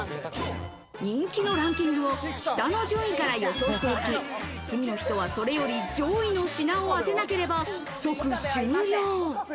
人気のランキングを下の順位から予想していき、次の人は、それより上位の品を当てなければ即終了。